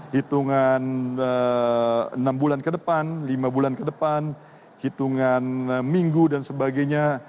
hitungan enam bulan ke depan lima bulan ke depan hitungan minggu dan sebagainya